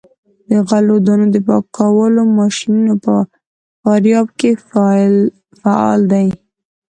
د غلو دانو د پاکولو ماشینونه په فاریاب کې فعال دي.